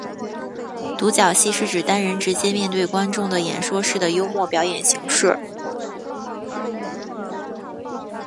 独角戏是指单人直接面对观众的演说式的幽默表演形式。